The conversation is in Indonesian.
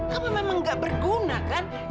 kamu memang gak berguna kan